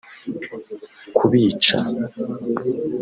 kubica